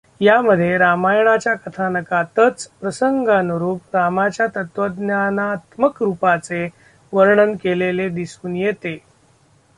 यामध्ये रामायणाच्या कथानकातच प्रसंगानुरूप रामाच्या तत्वज्ञानात्मक रूपाचे वर्णन केलेले दिसून येते.